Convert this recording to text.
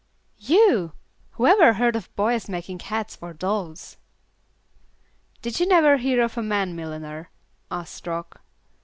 "You! Whoever heard of boys making hats for dolls?" "Did you never hear of a man milliner?" asked Rock.